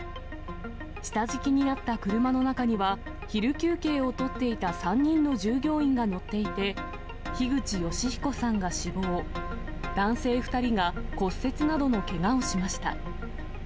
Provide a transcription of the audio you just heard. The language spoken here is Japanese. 下敷きになった車の中には、昼休憩をとっていた３人の従業員が乗っていて、樋口善彦さんが死亡、男性２人が骨折などのけがをしました。